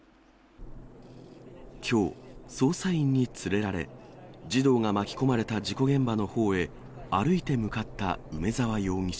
きょう、捜査員に連れられ、児童が巻き込まれた事故現場のほうへ、歩いて向かった梅沢容疑者。